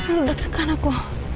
lu deg degan aku